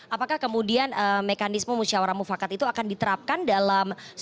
apakah kemudian mekanisme musyawarah mufakat itu akan diterapkan dalam